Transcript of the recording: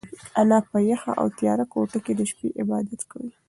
انا په یخه او تیاره کوټه کې د شپې عبادت کاوه.